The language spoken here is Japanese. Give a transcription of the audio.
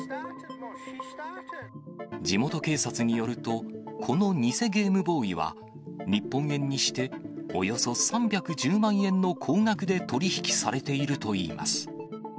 地元警察によると、この偽ゲームボーイは、日本円にしておよそ３１０万円の高額で取り引きされているといいます。